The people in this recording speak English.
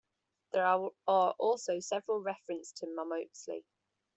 There are also several reference to momoztli.